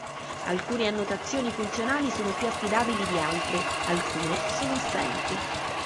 Alcune annotazioni funzionali sono più affidabili di altre; alcune sono assenti.